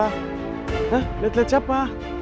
hah liat liat siapa